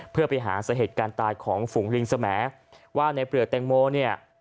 เพื่อไปหาสาเหตุการณ์ตายของฝูงลิงสมัยว่าในเปลือกแตงโมเนี่ย